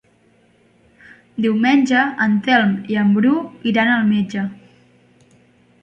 Diumenge en Telm i en Bru iran al metge.